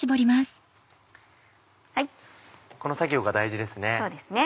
この作業が大事ですね。